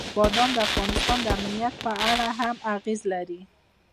بادام د افغانستان د امنیت په اړه هم اغېز لري.